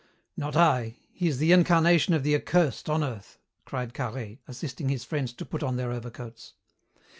"Not I! He is the incarnation of the Accursed on earth!" cried Carhaix, assisting his friends to put on their overcoats.